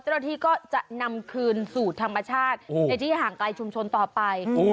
เจ้าหน้าที่ก็จะนำคืนสู่ธรรมชาติในที่ห่างไกลชุมชนต่อไป